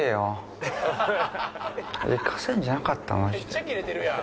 めっちゃキレてるやん。